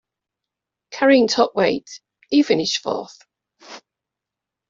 Carrying top weight, he finished fourth.